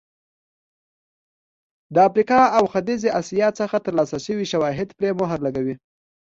افریقا او ختیځې اسیا څخه ترلاسه شوي شواهد پرې مهر لګوي.